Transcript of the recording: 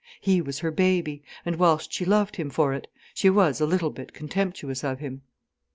He was her baby—and whilst she loved him for it, she was a little bit contemptuous of him.